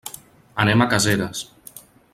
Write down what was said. Anem a Caseres.